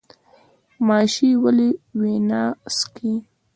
ماشی ولې وینه څښي؟